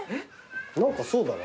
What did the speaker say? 何かそうだね。